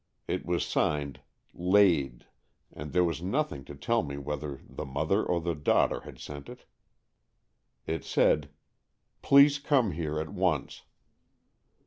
It was signed " Lade," and there was nothing to tell me AN EXCHANGE OF SOULS 89 whether the mother or the daughter had sent it. It said :" Please come here at once."